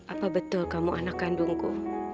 apa betul kamu anak kandungku